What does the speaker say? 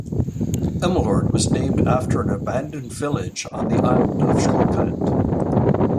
Emmeloord was named after an abandoned village on the island of Schokland.